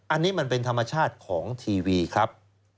อันนี้มันเป็นธรรมชาติของทีวีครับ